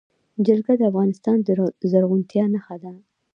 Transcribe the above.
جلګه د افغانستان د زرغونتیا نښه ده.